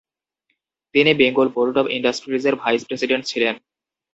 তিনি Bengal board of ইন্ডাস্ট্রিজের vice president ছিলেন।